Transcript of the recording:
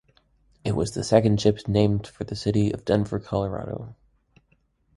It was the second ship named for the city of Denver, Colorado.